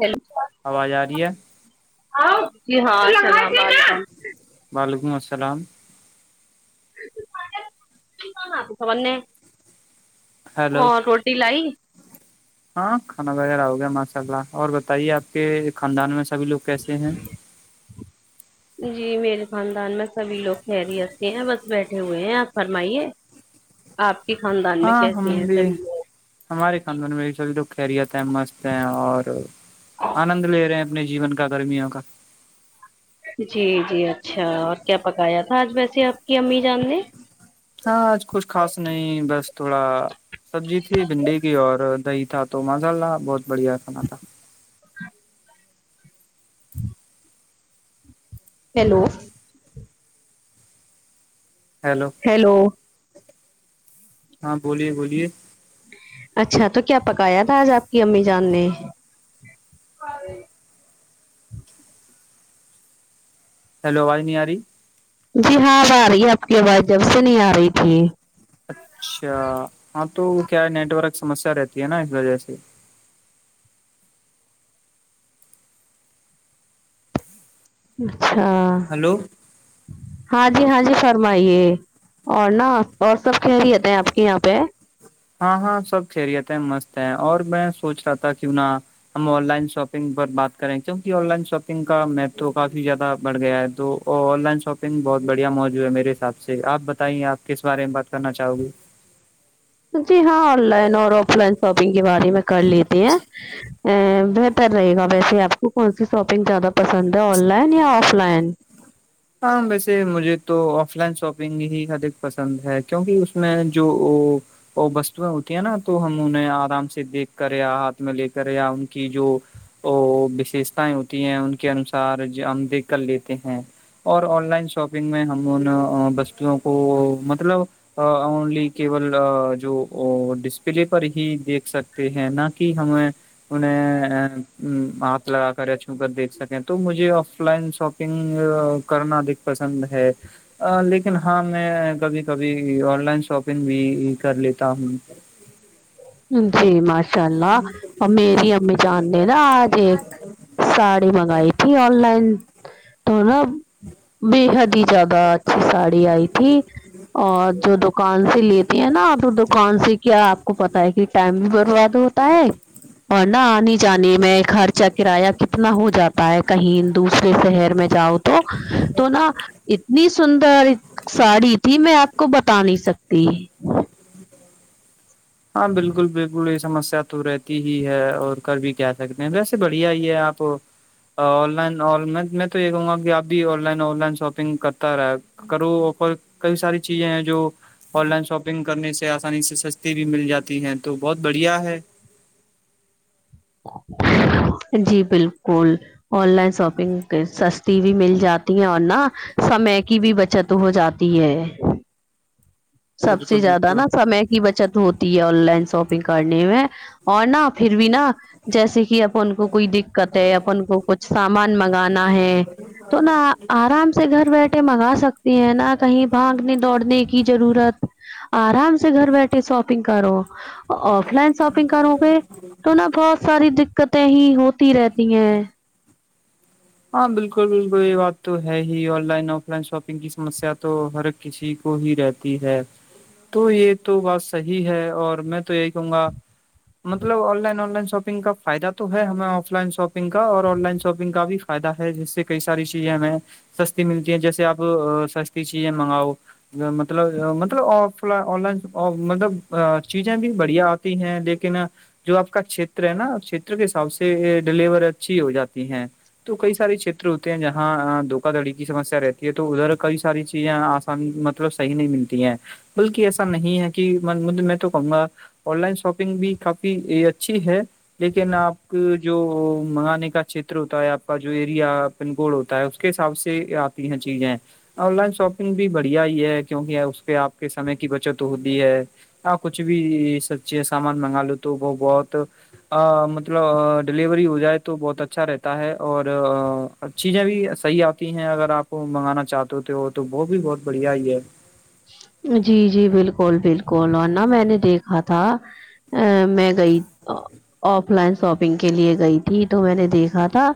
جل آواز آ رہی ہے ج ہاں وعلیکم السلام ب ا ہیلو روٹی ل ہاں کھانا وغیرہ ہو گیا ماشاء اللہ اور بتائیے آپ کے خاندان میں سبھی لوگ کیسے ہیں جی میرے خاندان میں سبھی لوگ خہریے ہیں بس بیٹھے ہوئے ہیں آپ فرمائیے ہ [unintelligible] [inaudible] آپ کے خاندان میں کیسی ہیں تری ہمارے خاندان میں مل سل دکھ جات ہے مست ہیں اور آنند لے رہے ہیں اپنے جیون کا گرمیوں کا جی جی اچھا اور کیا پکایا تھا آج ویسے آپ کی امی جان نے ہاں آج کچھ خاص نہیں بس تھوڑا سبزی تھی بھنڈی کی اور دہی تھا تو مسالہ بہت بڑھیا کھانا تھا ہاں [inaudible] ہیلو ہیلو ہیلو ہاں بولیے بولیے ج [inaudible] اچھا تو کیا پکایا تھا آج آپ کی امی جان نے اور [inaudible] ہیلو وانییاری [unintelligible] جی ہاں آ رہی ہے آپ کی آواز جب سے نہیں آ رہی تھی اچھا ہاں تو کیا نیٹ ورک سمسیا رہتی ہے نا اس وجہ سے اچھا ہلو ہاں جی ہاں جی فرمائیے اور نہا اور سب خہریت ہیں آپ کے یہاں پہ ہاں ہاں سب خیریت ہیں مست ہے اور میں سوچ رہا تھا کیوں نہ ہم آن لائن شاپنگ پر بات کریں کیونکہ آن لائن شاپنگ کا مہتو کافی زیادہ بڑھ گیا ہے تو ا آن لائن شاپنگ بہت بڑھیا موجوع ہے میرے حساب سے آپ بتائیے آپ کس بارے میں بات کرنا چاہو گی جی ہاں آن لائن اور آف لائن شاپنگ کے بارے میں کر لیتے ہیں ا بہتر رہے گا ویسے آپ کو کون سی شاپنگ زیادہ پسند ہے آن لائن یا آف لائن ہاں ویسے مجھے تو آف لائن شاپنگ ہی ادک پسند ہے کیونکہ اس میں جو وہ وہ وستویں ہوتی ہیں نا تو ہم انہیں آرام سے دیکھ کر یا ہاتھ میں لے کر یا ان کی جو ا وشیشتاائیں ہوتی ہیں ان کے انوسار ہم دیکھ کر لیتے ہیں [unintelligible] اور آن لائن شاپنگ میں ہم ان وستووں کو مطلب اونلی کیول جو ڈسپلے پر ہی دیکھ سکتے ہیں نہ کہ ہم م نے ا [inaudible] ہاتھ لگا کر یا چھو کر دیکھ سکیں تو مجھے آف لائن شاپنگ کرنا ادھک پسند ہے لیکن ہاں میں کبھی کبھی آن لائن شاپنگ بھی کر لیتا ہوں ج [inaudible] جی ماشاء اللہ اور میری امی جانتے نا آج ایک ساڑی منگائی تھی آن لائن تو نا بے حد جدہ اچھی ساڑی آئی تھی [unintelligible] اور جو دکان سے لیتی ہیں نا آپ دکان سے کیاپ کو پتا ہے کہ ٹائم بھی برباد ہوتا ہے اور نہ آنے جانے میں خرچہ کرایہ کتنا ہو جاتا ہے کہیں دوسرے شہر میں جاؤ تو تو نا اتنی سندر ساڑی تھی میں آپ کو بتا نہیں سکتی ہاں بالکل بالکل یہ سمسیا توور رہ ہی ہے اور ک بھی کہ سکتے ہیں ویسے بڑھیا ہی ہے آپ آن لائن میں تو یہ کہوں گا کہ آب بھی online online shopping کرتا رہے کرو آفر کئی ساری چیزیں ہیں جو آن لائن شاپنگ کرنے سے آسانی سے س بھی مل جاتی ہیں تو بہت بڑھیا ہے [unintelligible] [inaudible] جی بالکل آن لائن شاپنگ سستی بھی مل جاتی ہیں اور نہا سمے کی بھی بچت ہو جاتی ہے سب بالکل سے زیادہ بالکل نا سمے بچت ہوتی ہے آن لائن شاپنگ کرنے میں اور نہا پھر بھی نا جیسے کہ اب ان کو کوئی دقت ہے اپ کو کچھ سامان منگانا ہے تو نہ آرام سے سے گھر بیٹھے منگا سکتی ہیں نہ کہیں بھانگنے دوڑنے کی ضرورت آرام سے گھر بیٹھے شاپنگ کرو آف لائن شاپنگ کرو گے تو نا بہت ساری دقتیں ہی ہوتی رہتی ہیں ہاں بالکل بالکل یہ بات تو ہے ہی online offline shopping کی سمسیا تو ہر کسی کو ہی رہتی ہے تو یہ تو بات صحی ہے اور میں تو یہی کہوں گا مطلب online online shopping کا فائدہ تو ہے ہمیں آف لائن شاپنگ کا اور آن لائن شاپنگ کا بھی فائدہ ہے جس سے کئی ساری چیزیں ہمیں سستی ملتی ہیں جیسے آپ سستی چیزیں منگاؤ مطلب مطلب آف آن لائن مطلب ا چیزیں بھی بڑھیا ہیں لیکن جو آپ کا کھیتر ہے نا چھیتر کے حساب سے ڈیلیور اچھی ہو جاتی ہیں تو کئی سارے چھیتر ہوتے ہیں جہاں دھوکا دڑی کی سمسیا رہتی ہے تو ادھر کئی ساری چیز مطلب صحیح نہیں ملتی ہیں بلکہ ایسا نہیں ہے کہ میں تو کہوں گا آن لائن شاپنگ بھی کافی اچھی ہے لیکن آپ جو منگانے کا چتر ہوتا ہے آپ کا جو ایریا پنگول ہوتا ہے اس کے حساب سے آتی یہ چیزیں آن لائن شاپنگ بھی بڑھیا ہی ہے کیونکہ اس پ آپ کے سمے کی بچت ہوتی ہے آ کچھ بھی سبچی سامان منگا لو تو وہ بہت مطلب ڈیلیوری ہو جائے تو بہت اچھا رہتا ہے اور چیزیں بھی صحیح آتی ہیں اگر آپ منگانا چاہتے ہو تو تو وہ بھی بہت بڑھیا ہی ہے جی جی بالکل بالکل اورا میں نے دیکھا تھا ا میں گئی آف لائن شاپنگ کے لیے گئی تھی تو میں نے دیکھا تھا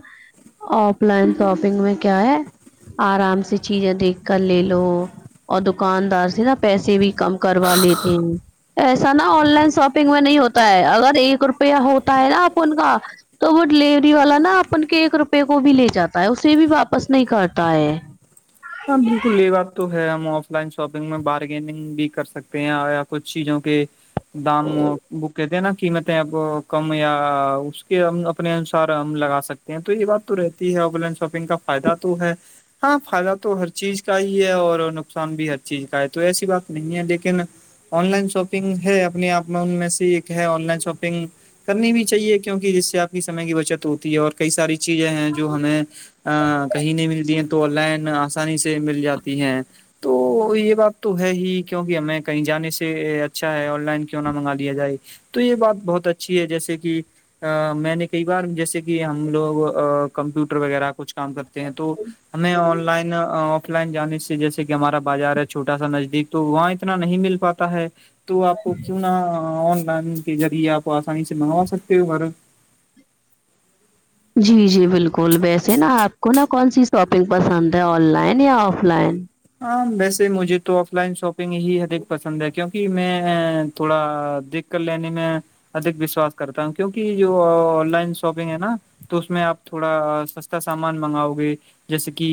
آف لائن شاپنگ میں کیا ہے آرام سے چیزیں دیکھ کر لے لو اور دکاندار سے نا پیسے بھی کم کروا لیتے ہیں ایسا نا آن لائن شاپنگ میں نہیں ہوتا ہے اگر ایک روپیہ ہوتا ہے نا آپ ان کا تو وہ ڈیلیوری والا نا اپن کے ایک روپے کو بھی لے جاتا ہے اسے بھی واپس نہیں کرتا ہے ہاں بالکل یہ بات تو ہے ہم آف لائن شاپنگ میں بارگینگ بھی کر سکتے ہیں یا کچھ چیزوں کے دام بوکے تھ نہا قیمت ب کم یا اس کے ہم اپنے انسار ہم لگا سکتے ہیں تو یہ بات تو رہتی ہے آن لائن شاپنگ کا فائدہ تو ہے ہاں فائدہ تو تو ہر چیز کا ہی ہے اور نقصان بھی ہر چیز کا ہے تو ایسی بات نہیں ہے لیکن آن لائن شاپنگ ہے اپنے آپ میں ان میں سے ایک ہے آن لائن شاپنگ کرنی بھی چاہیے کیونکہ جس سے آپ کی سمے کی بچت ہوتی ہے اور کئی ساری چیزیں ہیں جو ہمیں کہیں نہیں ملتی ہیں تو آن لائن آسانی سے مل جاتی ہیں تو یہ بات تو ہے ہی کیونکہ ہمیں کہیں جانے سے اچھا ہے آن لائن کیوں نہ منگا لیا جائے تو یہ بات بہت اچھی ہے جیسے کہ ا میں نے کئی بار جیسے کہ ہم لوگ کمپیوٹر وغیرہ کچھ کام کرتے ہیں تو ہمیں آن لائن آف لائن جانے سے جیسے کہ ہمارا بازار ہے چھوٹا سا نزدیک تو وہاں اتنا نہیں مل پاتا ہے تو آپ کو کیوں نہ آن لائن کے ذریعے آپ آسانی سے منگوا سکتے ہو گھر جی جی بالکل ویسے نا آپ کو نا کون سی شاپنگ پسند ہے آن لائن یا آف لائن ہاں ویسے مجھے تو آف لائن شاپنگ ہی ادک پسند ہے کیونکہ میں تھوڑا دیک کر لینے میں ادک وشواس کرتا ہوں کیوںکہ جو آن لائن شاپنگ ہے نا تو اس میں آپ تھوڑا سستا سامان منگاؤ گے جیسے کہ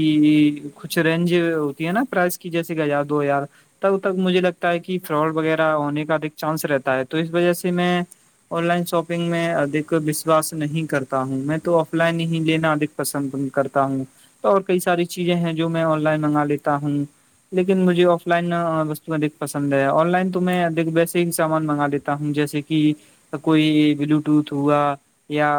کچھ رینج ہوتی ہے نا پرائز کی جیسے کہ ہزار دو ہزار تب تک مجھے لگتا ہے کہ فراڈ وغیرہ ہونے کا ادھک چانس رہتا ہے تو اس وجہ سے میں آن لائن شاپنگ میں ادھ وشاس نہیں کرتا ہوں میں تو آف لائن ہی لینا اد پسند کرتا ہوں تو اور کئی ساری چیزیں ہیں جو میں آن لائن منگا لیتا ہوں لیکن مجھے آف لائن وو اک پسند ہے آن لائن تو میں ویسے ہی سامان منگا دیتا ہوں جیسے کہ کوئی بلوٹوتھ ہوا یا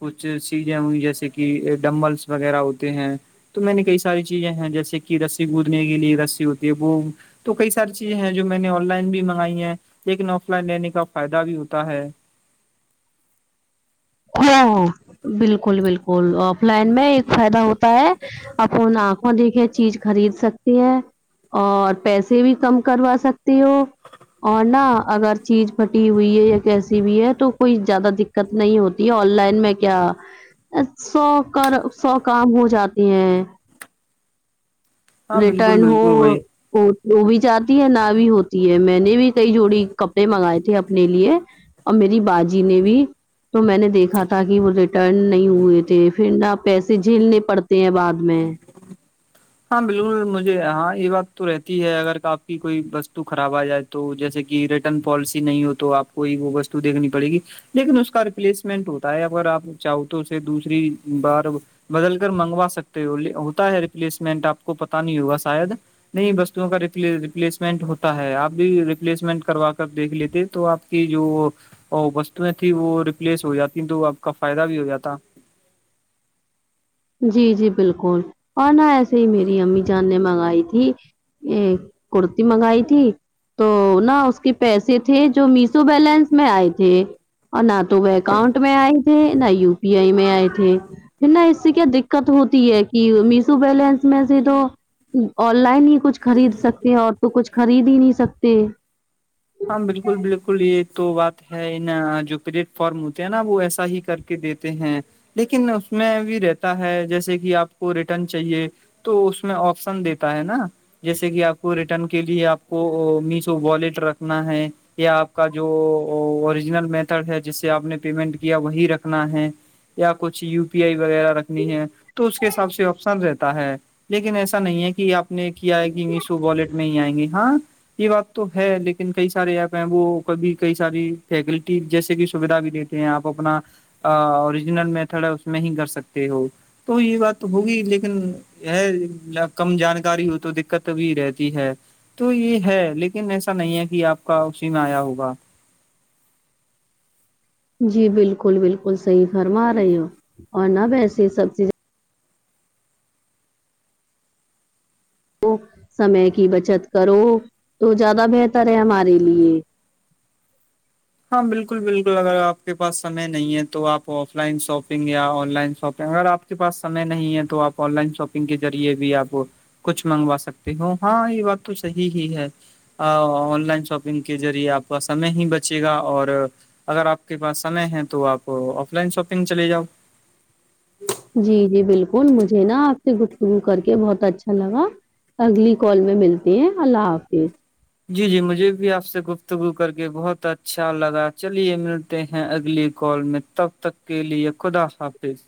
کچھ چیزیں ہوئی جیسے کہ ڈمبلس وغیرہ ہوتے ہیں تو میں نے کئی ساری چیزیں ہیں جیسے کہ رسی کودنے کے لیے رسی ہوتی ہے وہ تو کئی ساری چیزیں ہیں جو میں نے آن لائن بھی منگائی ہیں لیکن آف لائن لینے کا فائدہ بھی ہوتا ہے ہاں ہاں بالکل بالکل آف لائن میں ایک فائدہ ہوتا ہے اپنا آ کو دیکھے چیز خرید سکتے ہیں اور پیسے بھی کم کروا سکتے ہو اور نہا اگر چیز پھٹی ہوئی ہے یا کیسی بھی ہے تو کوئی زیادہ دقت نہیں ہوتی آن لائن میں کیا سو کر سو کام ہو جاتے ہیں ہاں بالکل ریٹرن ہو بالکل بھائی وہ بھی چاہتی ہے نہ بھی ہوتی ہے میں نے بھی کئی جوڑی کپڑے منگائے تھے اپنے لیے اور میری باجی نے بھی تو میں نے دیکھا تھا کہ وہ ریٹرن نہیں ہوئے تھے پھر نہا پیسے جھیلنے پڑتے ہیں بعد میں ہاں بالکل مجھے ہاں یہ بات تو رہتی ہے اگر آپ کی کوئی وستو خراب آ جائے تو جیسے کہ ریٹرن پالیسی نہیں ہو تو آپ کو ہی وہ وستو دیکھنی پڑے گی لیکن اس کا ریپلیسمنٹ ہوتا ہے اگر آپ چاہو تو اس سے دوسری بار بدل کر منگوا سکتے ہو ہوتا ہے ریپلیسمنٹ آپ کو پتا نہیں ہوگا شاید نہیں وستوں کا ریپلیسمنٹ ہوتا ہے آپ بھی ریپلیسمنٹ کروا کر دیکھ لیتے تو آپ کی جو وستویں تیں وہ ریپلیس ہو جاتی تو آپ کا فائدہ بھی ہو جاتا جی جی بالکل اورن ایسے ہی میری امی جان نے منگائی تھی ایک کتی منگائی تھی تو نہ اس کے پیسے تھے جو میسو بیلنس میں آئے تھے اور نہ تو وہ اکاؤنٹ میں آئے تھے نہ یو پی آئی میں آئے تھے پھر نہ اس کیا دقت ہوتی ہے کہ میشو بیلنس میں سے تو آن لائن ہی کچھ خرید سکتے اور تو کچھ خرید ہی نہیں سکتے ہاں بالکل بالکل یہ تو بات ہے نا جو پلیٹ فارم ہوتے ہے نا وہ ایسا ہی کرتے دیتے ہیں لیکن اس میں بھی رہتا ہے جیسے کہ آپ کو ریٹرن چاہیے تو اس میں آپشن دیتا ہے نا جیسے کہ آپ کو ریٹرن کے لیے آپ کو میشو والیٹ رکھنا ہے یا آپ کا جو اوریجنل میتھڈ ہے جس سے آپ نے پیمنٹ کیا وہی رکھنا ہے یا کچھ یو پی آئی وغیرہ رکھنی ہے تو اس کے حساب سے آپشن رہتا ہے لیکن ایسا نہیں ہے کہ آپ نے کیا ہے کہ میشو والٹ میں ہی آئیں گے ہاں یہ بات تو ہے لیکن کئی سارے ایپ ہیں وہ کبھی کئی ساری فیکلٹی جیسے کہ سویدھا بھی دیتے ہیں آپ اپنا اوریجنل میتھڈ ہے اس میں ہی کر سکتے ہو تو یہ بات تو ہوگی لیکن ہے کم جانکاری ہو تو دقت بھی رہتی ہے تو یہ ہے لیکن ایسا نہیں ہے کہ آپ کا اسی میں آیا ہوگا جی بالکل بالکل صحیح فرما رہی ہو اور نہ ویسے سب چیزیں سمے کی بچت کرو تو زیادہ بہتر ہے ہمارے لیے ہاں بالکل بالکل اگر آپ کے پاس سمے نہیں ہے تو آپ آف لائن شاپنگ یا آن لائن شاپنگ اگر آپ آ کے پاس سمے نہیں ہے تو آپ آن لائن شاپنگ کے ریعے بھی آپ کچھ منگوا سکتے ہو ہاں یہ بات تو صحی ہی ہے آن لائن شاپنگ کے ذریعے آپ کا سے ہی بچ چے گا اور اگر آپ کے پاس سمے ہے تو آپ آف لائن شاپنگ چلے جاؤ جی جی بالکل مجھے نا آپ سے گفتگو کر کے بہت اچھا لگا اگلی کال میں ملتی ہیں اللہ حافظ جی جی مجھے بھی آپ سے گفتگو کر کے بہت اچھا لگا چلیے ملتے ہیں اگلی کال میں تب تک کے لیے خداا پظ [unintelligible]